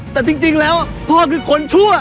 แต่จริงแล้วพ่อคือคนชั่ว